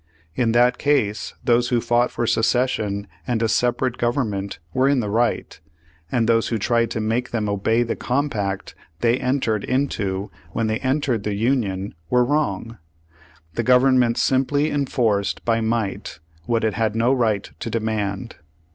In that case, those who fought for secession and a separate government were in the right, and those who tried to make them obey the compact they entered into when they entered the Union were wrong. The Government simply enforced by might what it had no right to demand.